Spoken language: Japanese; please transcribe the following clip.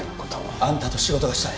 あんたと仕事がしたい